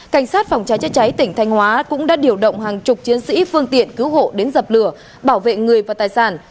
cảnh sát phòng cháy chữa cháy tỉnh thanh hóa cũng đã điều động hàng chục chiến sĩ phương tiện cứu hộ đến dập lửa bảo vệ người và tài sản